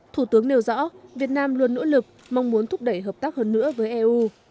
thủ tướng nêu rõ việt nam luôn nỗ lực mong muốn thúc đẩy hợp tác hơn nữa với eu